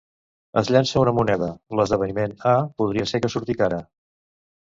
Es llança una moneda, l'esdeveniment A podria ser que surti cara